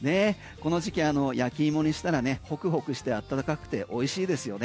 この時期焼き芋にしたらねホクホクして温かくて美味しいですよね。